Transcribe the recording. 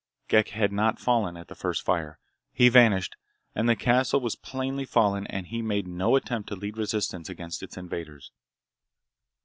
Ghek had not fallen at the first fire. He vanished, and the castle was plainly fallen and he made no attempt to lead resistance against its invaders.